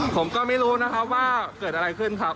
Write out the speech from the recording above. ผมก็ไม่รู้นะครับว่าเกิดอะไรขึ้นครับ